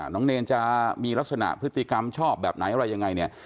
น้องเนย์จะมีลักษณะพฤติกรรมชอบแบบไหนอะไรยังไง